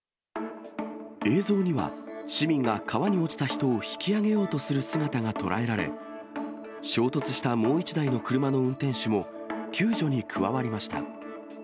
映像には、市民が川に落ちた人を引き上げようとする姿が捉えられ、衝突したもう１台の車の運転手も救助に加わりました。